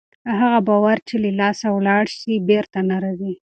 هغه باور چې له لاسه ولاړ سي بېرته نه راځي.